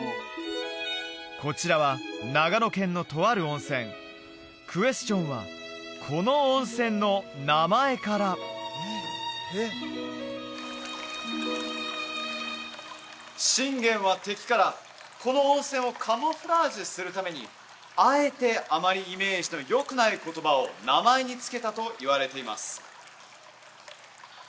こちらは長野県のとある温泉クエスチョンはこの温泉の名前から信玄は敵からこの温泉をカムフラージュするためにあえてあまりイメージのよくない言葉を名前に付けたといわれています